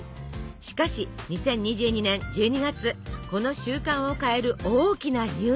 しかし２０２２年１２月この習慣を変える大きなニュースが。